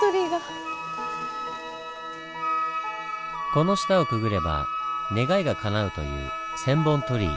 この下をくぐれば願いがかなうという千本鳥居。